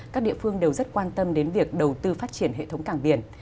các địa phương đều rất quan tâm đến việc đầu tư phát triển hệ thống cảng biển